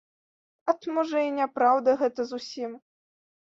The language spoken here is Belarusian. Ат, можа, і няпраўда гэта зусім.